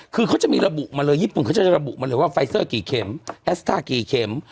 คือเขาจะมีระบุมาเลยญี่ปุ่นเขาจะระบุมาเลยว่าไฟเซอร์กี่เข็มแอสต้ากี่เข็ม